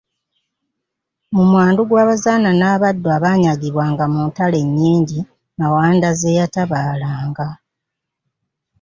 Mu mwandu gw'abazaana n'abaddu abaanyagibwanga mu ntalo ennyingi Mawanda ze yatabaalanga.